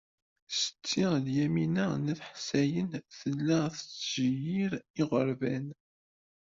Setti Lyamina n At Ḥsayen tella tettjeyyir iɣerban.